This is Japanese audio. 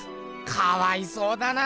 かわいそうだな！